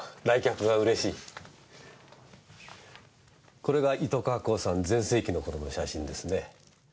これが糸川興産全盛期の頃の写真ですね。